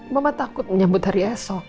mama takut menyambut hari esok